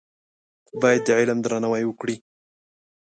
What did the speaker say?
باید د علم درناوی وکړې.